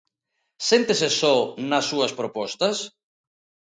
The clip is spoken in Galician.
Séntese só nas súas propostas?